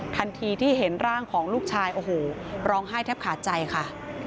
ทันทีที่เห็นร่างของลูกชายโอ้โหร้องไห้แทบขาดใจค่ะ